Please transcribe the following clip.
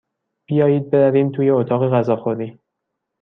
بیایید برویم توی اتاق غذاخوری.